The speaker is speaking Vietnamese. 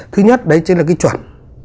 thứ nhất đấy chính là cái chuẩn